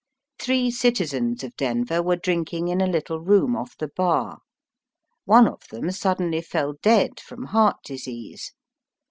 Three citizens of Denver were drinking in a little room off the bar. One of them suddenly fell dead from heart disease.